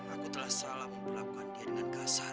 aku telah salah memperlakukan dia dengan kasar